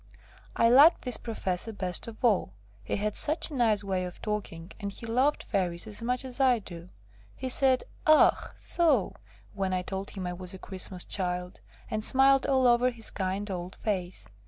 I liked this professor best of all he had such a nice way of talking, and he loved Fairies as much as I do. He said "Ach! So!" when I told him I was a Christmas Child, and smiled all over his kind old face.